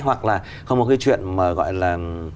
hoặc là không có cái chuyện mà gọi là